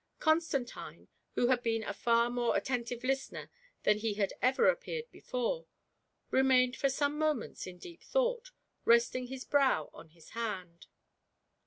Constantine, who had been a far more attentive listener than he had ever appeared before, remained for some moments in deep thought, resting his brow on his hand.